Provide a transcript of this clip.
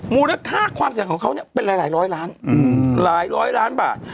มูลค่าความเสี่ยงของเขาเนี่ยเป็นหลายร้อยล้านหลายร้อยล้านบาท